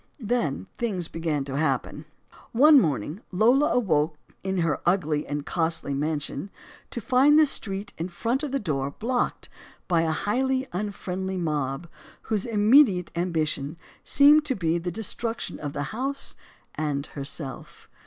Then things began to happen. One morning Lola awoke in her ugly and costly mansion to find the street in front of the door blocked by a highly unfriendly mob, whose immediate ambi tion seemed to be the destruction of the house and herself.